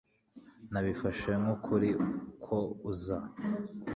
Nabifashe nkukuri ko uza